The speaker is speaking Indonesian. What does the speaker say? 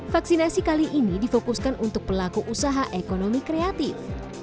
vaksinasi kali ini difokuskan untuk pelaku usaha ekonomi kreatif